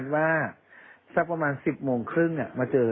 เมื่อวันที่๖ตุลาทตัวเองก็ยังสั่ง๒๖มาเนี่ย